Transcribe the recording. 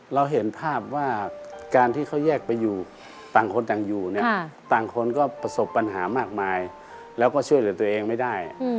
เราเห็นภาพว่าการที่เขาแยกไปอยู่ต่างคนต่างอยู่เนี่ยต่างคนก็ประสบปัญหามากมายแล้วก็ช่วยเหลือตัวเองไม่ได้